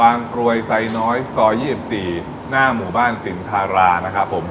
กรวยไซน้อยซอย๒๔หน้าหมู่บ้านสินทารานะครับผม